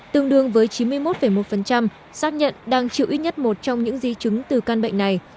tương đương với chín mươi một một xác nhận đang chịu ít nhất một trong những di chứng từ căn bệnh này